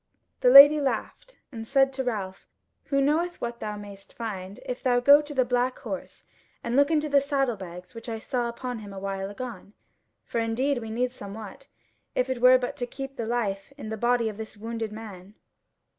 The Lady laughed, and said to Ralph; "Who knoweth what thou mayst find if thou go to the black horse and look into the saddle bags which I saw upon him awhile agone? For indeed we need somewhat, if it were but to keep the life in the body of this wounded man."